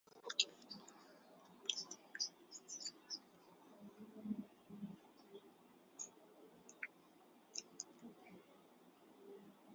Maji hufuata mkondo